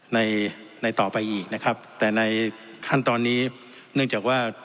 ในในต่อไปอีกนะครับแต่ในขั้นตอนนี้เนื่องจากว่า